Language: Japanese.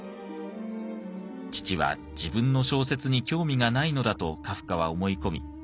父は自分の小説に興味がないのだとカフカは思い込み